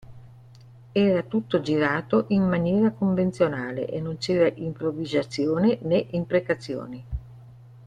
Era tutto girato in maniera convenzionale e non c'era improvvisazione, né imprecazioni.